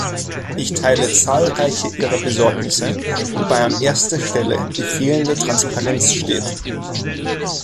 Ich teile zahlreiche Ihrer Besorgnisse, wobei an erster Stelle die fehlende Transparenz steht.